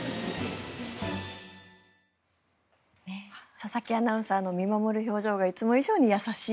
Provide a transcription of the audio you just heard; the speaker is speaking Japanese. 佐々木アナウンサーの見守る表情がいつも以上に優しい。